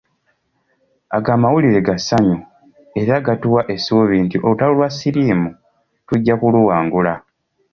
Ago amawulire ga ssanyu era gatuwa essuubi nti olutalo lwa siriimu tujja kuluwangula.